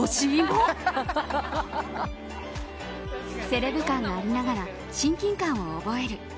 セレブ感がありながら親近感を覚える。